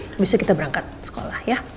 habis itu kita berangkat sekolah ya